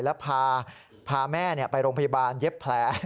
แล้วพาแม่ไปโรงพยาบาลเย็บแผล